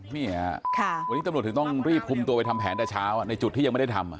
นี่ค่ะวันนี้ตำรวจถึงต้องรีบคุมตัวไปทำแผนแต่เช้าในจุดที่ยังไม่ได้ทำ